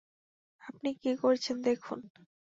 আপনি কি করেছেন দেখুন!